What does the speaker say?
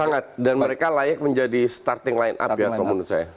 sangat dan mereka layak menjadi starting line up ya kalau menurut saya